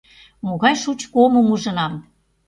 Могай шучко омым ужынам...